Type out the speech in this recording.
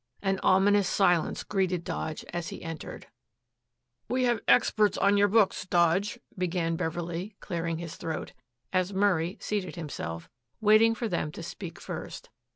An ominous silence greeted Dodge as he entered. "We have had experts on your books, Dodge," began Beverley, clearing his throat, as Murray seated himself, waiting for them to speak first.